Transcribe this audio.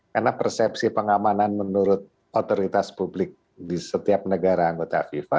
karena persepsi pengamanan menurut otoritas publik di setiap negara anggota fifa